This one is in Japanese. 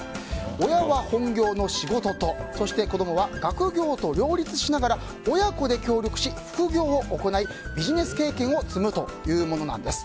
親は本業の仕事とそして子供は学業と両立しながら親子で協力し副業を行いビジネス経験を積むというものなんです。